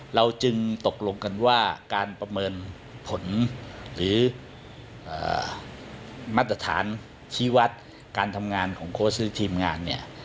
เราจึงตกลงกันว่าการประเมินผลหรือมาตรฐานชี้วัดการทำงานของโค้ชหรือทีมงานเนี่ย